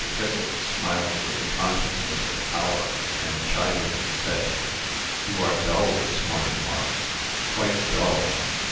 Tiffles smiled with the consciousness of power, and chidingly said: "You are dull this morning, Mark quite dull.